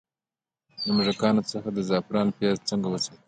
د موږکانو څخه د زعفرانو پیاز څنګه وساتم؟